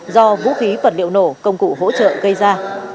do vũ khí vật liệu nổ công cụ hỗ trợ gây ra